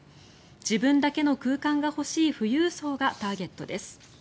自分だけの空間が欲しい富裕層がターゲットです。